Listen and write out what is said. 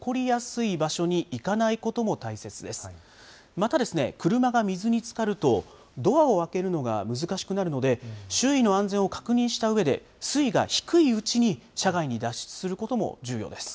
またですね、車が水につかると、ドアを開けるのが難しくなるので、周囲の安全を確認したうえで、水位が低いうちに車外に脱出することも重要です。